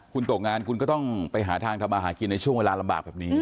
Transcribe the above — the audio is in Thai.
คุณตกงานคุณก็ต้องไปหาทางทำอาหารกินในช่วงเวลาลำบากแบบนี้